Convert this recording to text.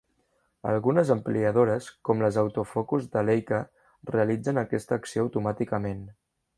Algunes ampliadores, com les Autofocus de Leica, realitzen aquesta acció automàticament.